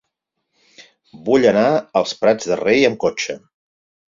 Vull anar als Prats de Rei amb cotxe.